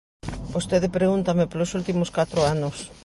Vostede pregúntame polos últimos catro anos.